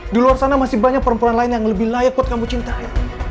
di luar sana masih banyak perempuan lain yang lebih layak buat kamu cintai